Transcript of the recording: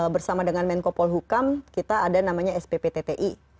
bersama dengan menko polhukam kita ada namanya spptti